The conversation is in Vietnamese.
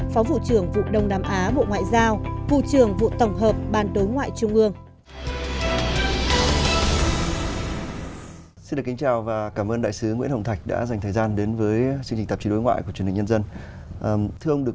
phó vụ trưởng vụ đông nam á bộ ngoại giao vụ trưởng vụ tổng hợp ban đối ngoại trung ương